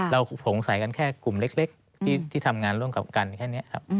เราสงสัยกันแค่กลุ่มเล็กที่ทำงานร่วมกับกันแค่นี้ครับ